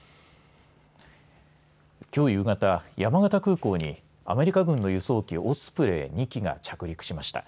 きょう夕方山形空港にアメリカ軍の輸送機オスプレイ２機が着陸しました。